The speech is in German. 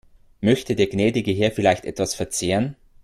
Möchte der gnädige Herr vielleicht etwas verzehren?